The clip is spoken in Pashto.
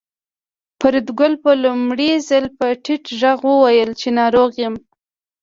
فریدګل په لومړي ځل په ټیټ غږ وویل چې ناروغ یم